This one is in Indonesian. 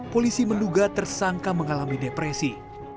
polisi menduga tersangka mengalami depresi